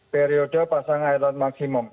periode pasang air laut maksimum